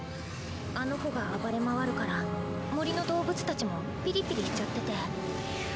あの子が暴れまわるから森の動物たちもピリピリしちゃってて。